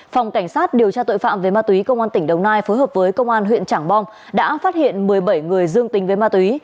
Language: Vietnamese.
phòng cảnh sát điều tra tội phạm về ma túy công an tỉnh đồng nai phối hợp với công an huyện trảng bom đã phát hiện một mươi bảy người dương tính với ma túy